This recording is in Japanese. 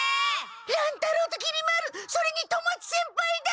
乱太郎ときり丸それに富松先輩だ！